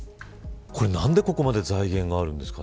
何で、ここまで財源があるんですかね。